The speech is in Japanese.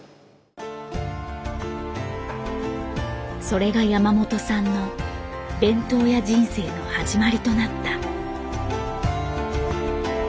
それが山本さんの「弁当屋」人生の始まりとなった。